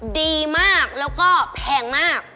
ดีมากแล้วก็แพงมาก